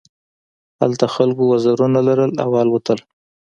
هلته خلکو وزرونه لرل او الوتل.